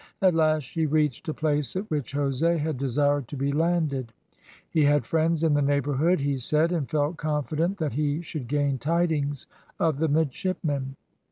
At last she reached a place at which Jose had desired to be landed; he had friends in the neighbourhood, he said, and felt confident that he should gain tidings of the midshipmen.